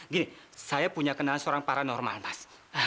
gini saya punya kenalan seorang paranormal mas